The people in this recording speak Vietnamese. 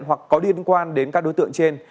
hoặc có liên quan đến các đối tượng trên